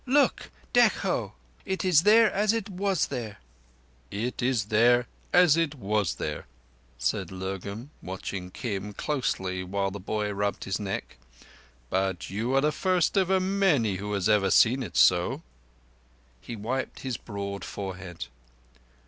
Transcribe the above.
"Look! Dekho! It is there as it was there." "It is there as it was there," said Lurgan, watching Kim closely while the boy rubbed his neck. "But you are the first of many who has ever seen it so." He wiped his broad forehead.